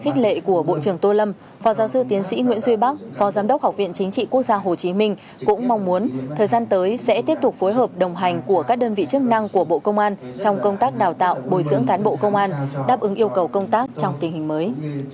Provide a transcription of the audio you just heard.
khi lệ của bộ trưởng tô lâm phó giáo sư tiến sĩ nguyễn duy bắc phó giám đốc học viện chính trị quốc gia hồ chí minh cũng mong muốn thời gian tới sẽ tiếp tục phối hợp đồng hành của các đơn vị chức năng của bộ công an trong công tác đào tạo bồi dưỡng cán bộ công an đáp ứng yêu cầu công tác trong tình hình mới